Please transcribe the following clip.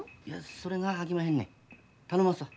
それがあきまへんねん。